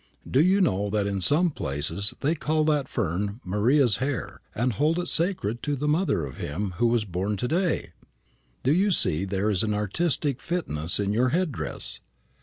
Do you know that in some places they call that fern Maria's hair, and hold it sacred to the mother of Him who was born to day? so you see there is an artistic fitness in your head dress.